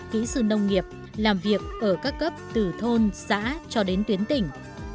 kỹ sư nông nghiệp làm việc ở các cấp từ thôn xã cho đến tuyến tỉnh